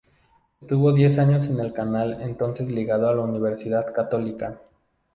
Estuvo diez años en el canal entonces ligado a la Universidad Católica.